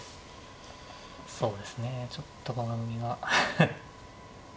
そうですねちょっと駒組みが。